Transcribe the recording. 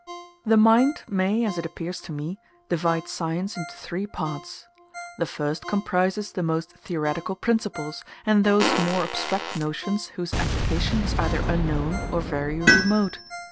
The mind may, as it appears to me, divide science into three parts. The first comprises the most theoretical principles, and those more abstract notions whose application is either unknown or very remote.